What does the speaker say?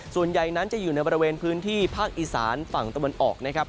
ส่วนใหญ่นั้นจะอยู่ในบริเวณพื้นที่ภาคอีสานฝั่งตะวันออกนะครับ